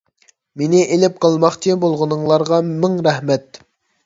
مېنى ئېلىپ قالماقچى بولغىنىڭلارغا مىڭ رەھمەت.